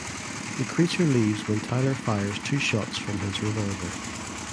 The creature leaves when Tyler fires two shots from his revolver.